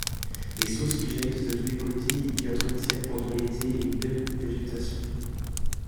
Les sources qui jaillissent de tous côtés y entretiennent pendant l'été, une belle végétation.